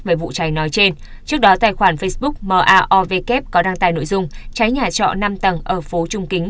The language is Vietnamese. về vụ trải nói trên trước đó tài khoản facebook maovk có đăng tài nội dung trái nhà trọ năm tầng ở phố trung kính